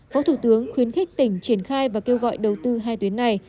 phó thủ tướng khuyến khích tỉnh triển khai và kêu gọi đầu tư hai tuyến này